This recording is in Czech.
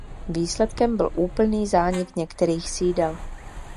Výsledkem byl úplný zánik některých sídel.